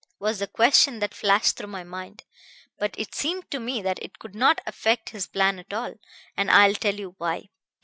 was the question that flashed through my mind. But it seemed to me that it could not affect his plan at all, and I will tell you why.